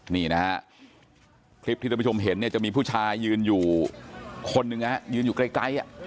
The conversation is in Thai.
นี่นะฮะคลิปที่ท่านผู้ชมเห็นเนี่ยจะมีผู้ชายยืนอยู่คนหนึ่งยืนอยู่ใกล้